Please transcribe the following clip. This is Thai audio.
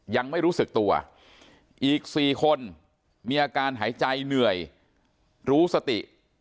ยังไม่รู้สึกตัวอีก๔คนมีอาการหายใจเหนื่อยรู้สติ